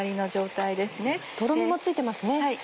とろみもついてますね。